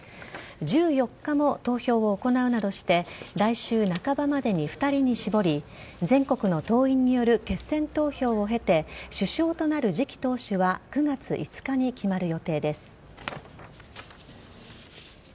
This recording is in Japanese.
１４日も投票を行うなどして来週半ばまでに２人に絞り全国の党員による決選投票を経て首相となる次期党首は９月５日に決まる予定です。